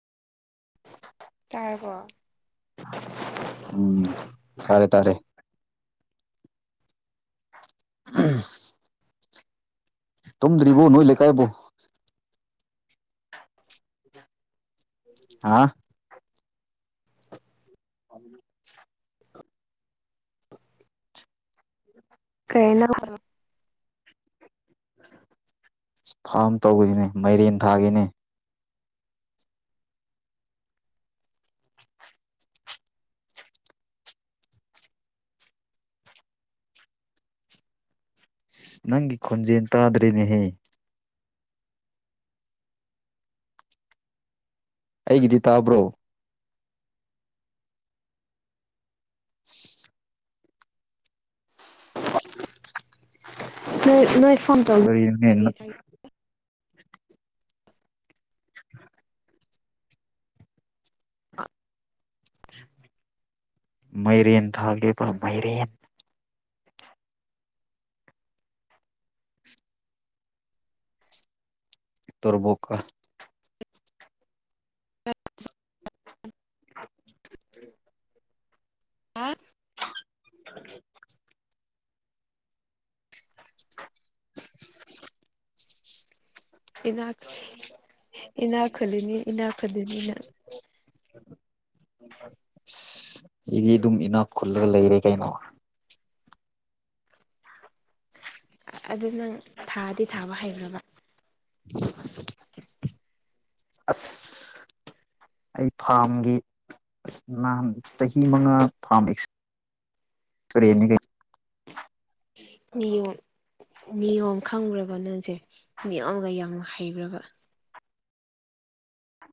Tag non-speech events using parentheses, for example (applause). (unintelligible) ꯇꯔꯕꯣ ꯎꯝ ꯇꯥꯔꯦ ꯇꯥꯔꯦ ꯑꯥ (inaudible) ꯇꯨꯝꯗ꯭ꯔꯤꯕꯣ ꯅꯣꯏ ꯂꯩꯀꯥꯏꯕꯨꯣ ꯍꯥꯥ ꯑ (unintelligible) ꯀꯩꯅꯣ ꯐꯥꯝ ꯇꯧꯅꯤ ꯃꯩꯔꯦꯟ ꯊꯥꯒꯦꯅꯦ ꯅꯪꯒꯤ ꯈꯣꯟꯖꯦꯜ ꯇꯥꯗ꯭ꯔꯤꯅꯦꯍꯦ ꯑꯩꯒꯤꯗꯤ ꯇꯥꯕ꯭ꯔꯣ (unintelligible) ꯅꯣꯏ ꯅꯣꯏ ꯐꯣꯟ ꯇꯧ ꯀꯔꯤ (inaudible) (unintelligible) ꯃꯩꯔꯟ ꯊꯥꯒꯦꯕ ꯃꯩꯔꯟ ꯇꯣꯔꯕꯣ ꯀ ꯑ ꯍꯥ ꯑ (unintelligible) ꯏꯅꯥ ꯏꯅꯥ ꯈꯨꯜꯂꯤꯅꯤ ꯏꯅꯥ ꯈꯨꯜꯂꯤꯅꯤꯅ ꯑꯁ ꯏꯗꯤ ꯑꯗꯨꯝ ꯏꯅꯥꯛ ꯈꯨꯜꯂꯒ ꯂꯩꯔꯦ ꯀꯩꯅꯣ ꯑꯗꯨ ꯅꯪ ꯊꯥꯗꯤ ꯊꯥꯕ ꯍꯩꯕ꯭ꯔꯕ ꯑꯁ ꯑꯩ ꯐꯥꯔꯝꯒꯤ ꯅꯍꯥꯟ ꯆꯍꯤ ꯃꯉꯥ ꯐꯥꯝ ꯑꯦꯁ (inaudible) ꯅꯤꯌꯣꯝ ꯅꯤꯌꯣꯝ ꯈꯪꯈ꯭ꯔꯕ ꯅꯪꯁꯦ ꯅꯤꯌꯣꯝꯒ ꯌꯥꯝ ꯍꯩꯕ꯭ꯔꯕ